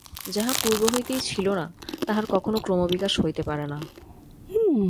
যাহা পূর্ব হইতেই ছিল না, তাহার কখনও ক্রমবিকাশ হইতে পারে না।